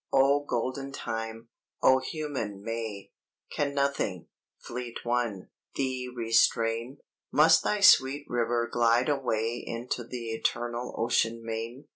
O Golden Time, O Human May, Can nothing, Fleet One, thee restrain? Must thy sweet river glide away Into the eternal Ocean Main?